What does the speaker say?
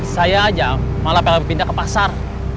saya aja malah pengen berpindah ke pasar